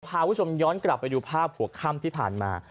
พาคุณผู้ชมย้อนกลับไปดูภาพหัวค่ำที่ผ่านมา